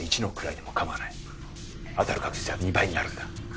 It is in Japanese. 当たる確率は２倍になるんだ。